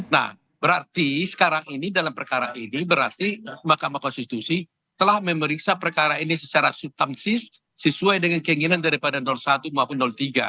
nah berarti sekarang ini dalam perkara ini berarti mahkamah konstitusi telah memeriksa perkara ini secara subtansif sesuai dengan keinginan daripada satu maupun tiga